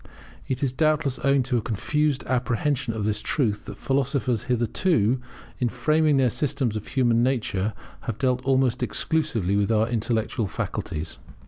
It is doubtless, owing to a confused apprehension of this truth, that philosophers hitherto, in framing their systems of human nature, have dealt almost exclusively, with our intellectual faculties.